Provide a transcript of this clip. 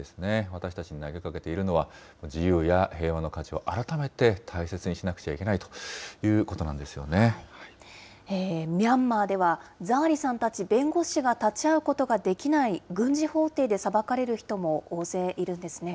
私たちに投げかけているのは、自由や平和の価値を改めて大切にしなきゃいけないということなんミャンマーでは、ザー・リさんたち弁護士が立ち会うことができない、軍事法廷で裁かれる人も大勢いるんですね。